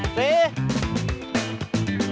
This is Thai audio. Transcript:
สี่